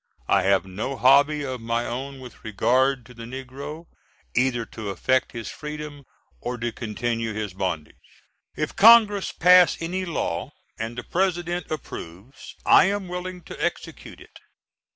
I have no hobby of my own with regard to the negro, either to effect his freedom or to continue his bondage. If Congress pass any law and the President approves, I am willing to execute it.